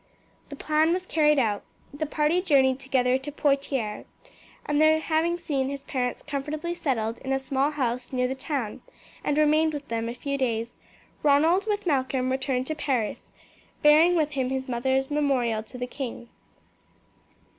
This plan was carried out. The party journeyed together to Poitiers, and there having seen his parents comfortably settled in a small house near the town, and remained with them a few days, Ronald with Malcolm returned to Paris, bearing with him his mother's memorial to the king.